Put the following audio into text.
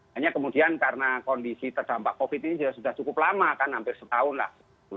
hanya kemudian karena kondisi terdampak covid ini sudah cukup lama kan hampir setahun lah